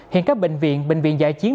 hiện các bệnh viện bệnh viện giải chiến